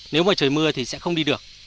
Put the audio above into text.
nếu mà trời mưa thì sẽ không đi được